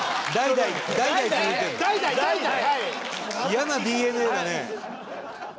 嫌なＤＮＡだね。